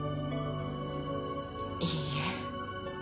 いいえ。